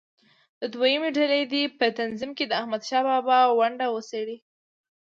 دویمه ډله دې په تنظیم کې د احمدشاه بابا ونډه وڅېړي.